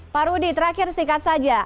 pak rudi terakhir singkat saja